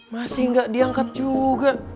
masih gak diangkat juga